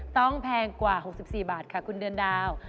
แพงกว่า๖๔บาทค่ะคุณเดือนดาว